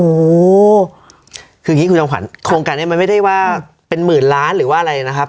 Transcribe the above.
โอ้โหคืออย่างนี้คุณจำขวัญโครงการนี้มันไม่ได้ว่าเป็นหมื่นล้านหรือว่าอะไรนะครับ